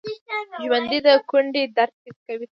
ژوندي د کونډې درد حس کوي